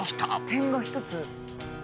点が１つ。